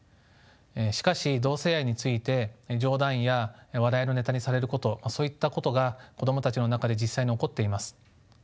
しかし同性愛について冗談や笑いのネタにされることそういったことが子供たちの中で実際に起こっています。